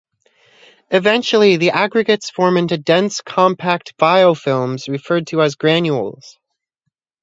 Eventually the aggregates form into dense compact biofilms referred to as "granules".